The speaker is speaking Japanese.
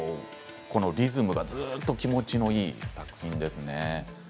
このリズムがずっと気持ちのいい作品ですね。